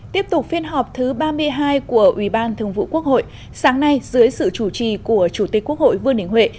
tiếp tục phiên họp thứ ba mươi hai của ubthqh sáng nay dưới sự chủ trì của chủ tịch quốc hội vương đình huệ